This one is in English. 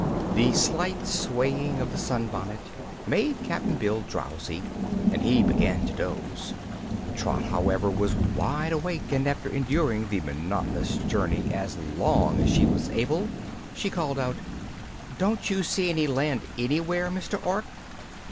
The slight swaying of the sunbonnet made Cap'n Bill drowsy, and he began to doze. Trot, however, was wide awake, and after enduring the monotonous journey as long as she was able she called out: "Don't you see land anywhere, Mr. Ork?"